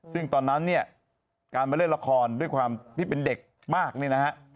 ซึ่งตอนนั้นเนี่ยการมาเล่นละครด้วยความที่เป็นเด็กมากเนี่ยนะฮะ